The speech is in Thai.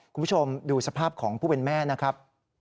คุณผู้ชมดูสภาพของผู้เป็นแม่นะครับ